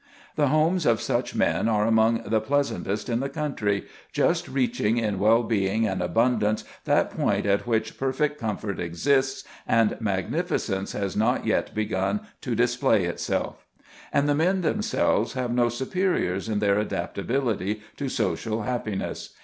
The homes of such men are among the pleasantest in the country, just reaching in well being and abundance that point at which perfect comfort exists and magnificence has not yet begun to display itself. And the men themselves have no superiors in their adaptability to social happiness.